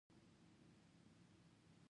د مشرانو خبره منل برکت دی